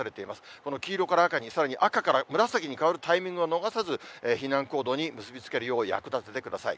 この黄色から赤に、さらに赤から紫に変わるタイミングを逃さず、避難行動に結び付けるよう、役立ててください。